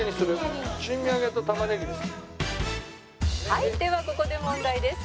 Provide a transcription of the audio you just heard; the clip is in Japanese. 「はいではここで問題です」